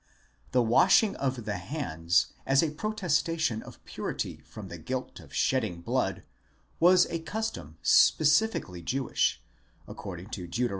The washing of the hands, as a protestation of purity from the guilt of shedding blood, was a custom specifically Jewish, according to Deut.